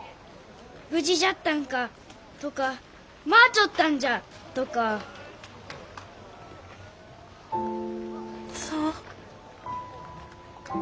「無事じゃったんか」とか「待ちょったんじゃ」とか。そう。